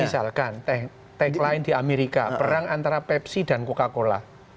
misalkan tagline di amerika perang antara pepsi dan coca cola